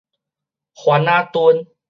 番仔墩